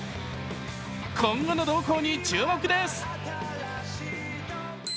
今後の動向に注目です。